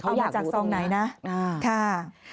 เอามาจากซองไหนนะค่ะ